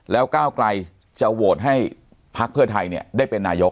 แล้วก้าวไกลจะโหวตให้พักเพื่อไทยได้เป็นนายก